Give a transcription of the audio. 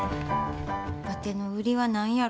わての売りは何やろか？